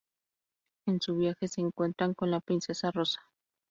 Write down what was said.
En su viaje se encuentran con la princesa Rosa.